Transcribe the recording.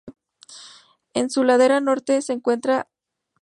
En su ladera norte se encuentra La Dehesa.